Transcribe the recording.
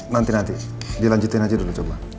nanti nanti dilanjutin aja dulu coba